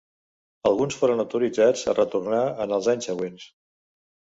Alguns foren autoritzats a retornar en els anys següents.